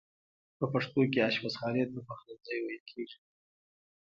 په پښتو کې آشپز خانې ته پخلنځی ویل کیږی.